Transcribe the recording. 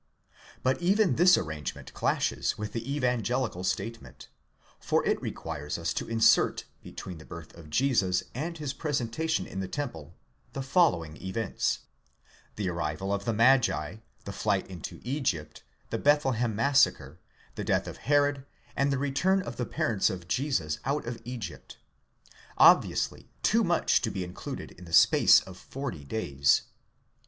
But even this arrangement clashes with the evangelical state ment ; for it requires us to insert, between the birth of Jesus and his pre sentation in the temple, the following events: the arrival of the magi, the flight into Egypt, the Bethlehem massacre, the death of Herod, and the return of the parents of Jesus out of Egypt—obviously too much to be in cluded in the space of forty days.